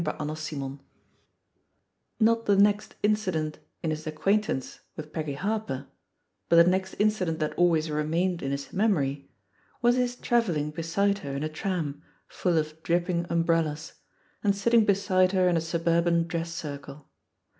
CHAPTER VI Not the next incident in his acquaintance witk iPeggy Harper, but the next incident that always remained in his memory, was his traveUing be side her in a tram, full of dripping umbrellas^ and sitting beside her in a suburban dress circle.